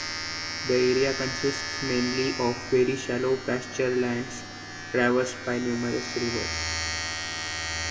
The area consists mainly of very shallow pasture lands, traversed by numerous rivers.